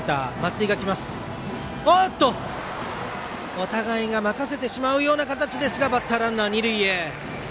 お互いが任せてしまうような形になってバッターランナー、二塁へ。